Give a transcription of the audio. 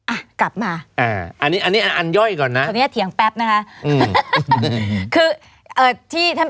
อ่ะกลับมาตอนนี้เถียงแป๊บนะคะอันนี้อันย่อยก่อนนะ